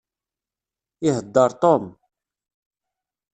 Iheddeṛ Tom.